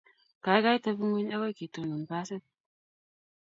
Kaikai tebing'ony akoi kitinon basit .